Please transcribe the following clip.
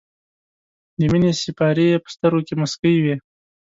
د مینې سېپارې یې په سترګو کې موسکۍ وې.